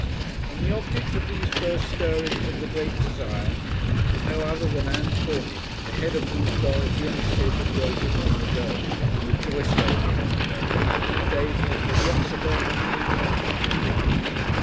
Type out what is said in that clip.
And the objects of these first stirrings of the great desire was no other than Ann Pornick, the head of whose doll he and Sid had broken long ago, and rejoiced over long ago, in the days when he had yet to learn the meaning of a heart.